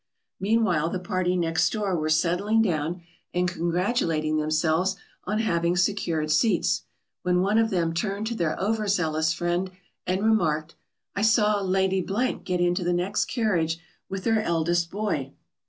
Meanwhile the party next door were settling down and congratulating themselves on having secured seats, when one of them turned to their over zealous friend and remarked, "I saw Lady Blank get into the next carriage with her eldest boy."